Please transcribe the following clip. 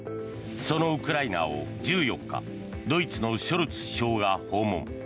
そのウクライナを１４日ドイツのショルツ首相が訪問。